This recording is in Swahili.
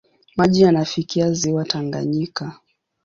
Maji yanafikia ziwa Tanganyika.